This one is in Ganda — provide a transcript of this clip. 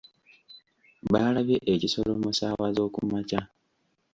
Baalabye ekisolo mu ssaawa z'okumakya.